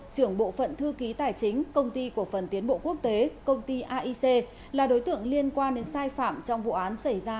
trưởng bộ phận thư ký tài chính công ty cổ phần tiến bộ quốc tế công ty aic là đối tượng liên quan đến sai phạm trong vụ án xảy ra tại tp bắc ninh